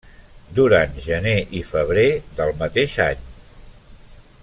Durant Gener i Febrer del mateix any.